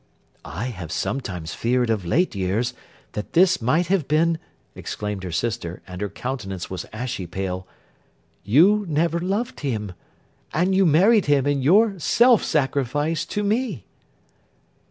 'I have sometimes feared of late years, that this might have been,' exclaimed her sister; and her countenance was ashy pale. 'You never loved him—and you married him in your self sacrifice to me!